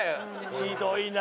ひどいな。